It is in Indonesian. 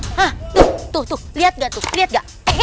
hah tuh tuh lihat gak tuh lihat gak